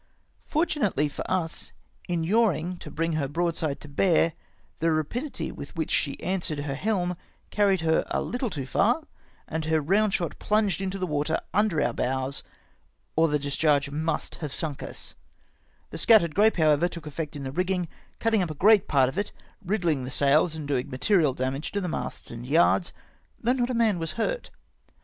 Fortunately for us, in yawing to bring her broadside to bear, the rapidity with which she answered her helm carried her a httle too far, and her round shot plunged in the water under our bows, or the discharge must have sunk us ; the scattered grape, however, took effect in the riggmg, cutting up a great part of it, riddhng the sails, and doing material damage to the masts and yards, though not a man was hurt.